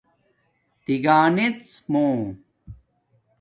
تگنژمُو